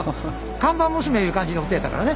看板娘いう感じの人やったからね。